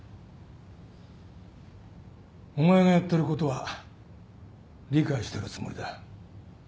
お前がやってることは理解してるつもりだ